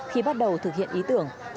khi bắt đầu thực hiện ý tưởng